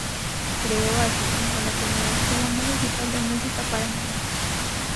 Creó asimismo la primera Escuela Municipal de Música para Niños.